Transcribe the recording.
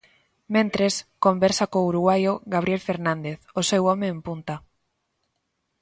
Mentres, conversa co uruguaio Gabriel Fernández, o seu home en punta.